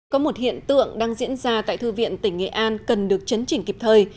có một hiện tượng đang diễn ra tại thư viện tỉnh nghệ an cần được chấn chỉnh kịp thời